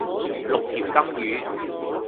六條金魚